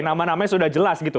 nama namanya sudah jelas gitu